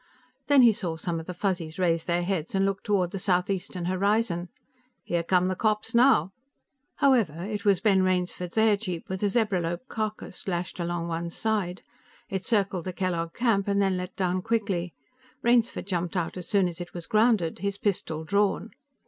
Then he saw some of the Fuzzies raise their heads and look toward the southeastern horizon. "Here come the cops, now." However, it was Ben Rainsford's airjeep, with a zebralope carcass lashed along one side. It circled the Kellogg camp and then let down quickly; Rainsford jumped out as soon as it was grounded, his pistol drawn.